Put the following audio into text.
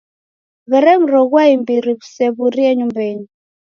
W'eremroghua imbiri w'isew'urie nyumbenyi.